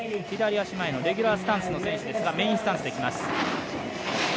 左足前のレギュラースタンスの選手ですがメインスタンスできます。